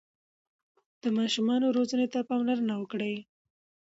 د ماشومانو روزنې ته پاملرنه وکړئ.